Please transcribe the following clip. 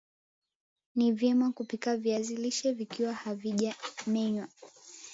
ni nyema kupika viazi lishe vikiwa havija menywa